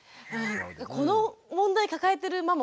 この問題抱えてるママ